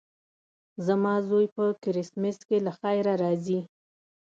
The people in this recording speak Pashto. زما زوی په کرېسمس کې له خیره راځي.